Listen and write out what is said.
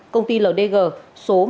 công ty ldg số một trăm linh bốn